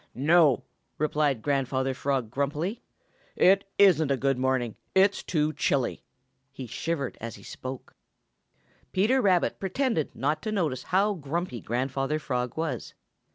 "No," replied Grandfather Frog grumpily, "it isn't a good morning; it's too chilly." He shivered as he spoke. Peter Rabbit pretended not to notice how grumpy Grandfather Frog was.